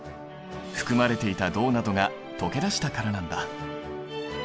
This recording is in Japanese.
含まれていた銅などが溶け出したからなんだ。